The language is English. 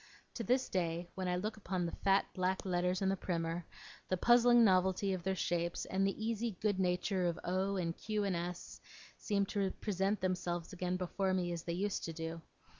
To this day, when I look upon the fat black letters in the primer, the puzzling novelty of their shapes, and the easy good nature of O and Q and S, seem to present themselves again before me as they used to do.